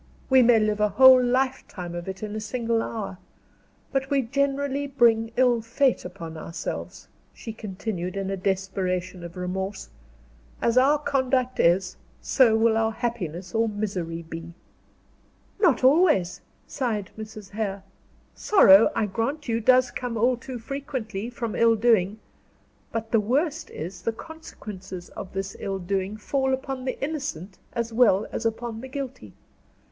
We may live a whole lifetime of it in a single hour. But we generally bring ill fate upon ourselves," she continued, in a desperation of remorse; "as our conduct is, so will our happiness or misery be." "Not always," sighed Mrs. Hare. "Sorrow, I grant you, does come all too frequently, from ill doing; but the worst is, the consequences of this ill doing fall upon the innocent as well as upon the guilty.